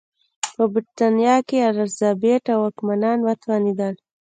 په برېټانیا کې الیزابت او واکمنان وتوانېدل.